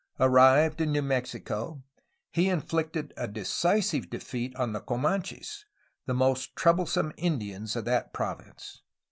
Arrived in New Mexico he infficted a decisive defeat on the Comanches, the most troublesome Indians of that province.